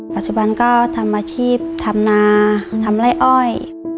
ปัจจุบันก็ทำอาชีพทำนาทำไล่อ้อย